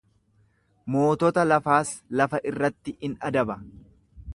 Mootota lafaas lafa irratti in adaba.